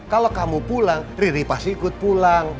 kalau kamu pulang riri pasti ikut pulang